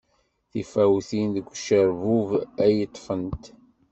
Tifawtin deg ujerbub ay ṭṭfent.